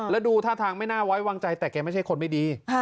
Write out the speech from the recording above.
แล้วดูท่าทางไม่น่าไว้วางใจแต่แกไม่ใช่คนไม่ดี